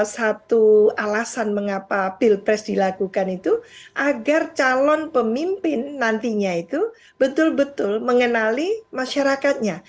satu alasan mengapa pilpres dilakukan itu agar calon pemimpin nantinya itu betul betul mengenali masyarakatnya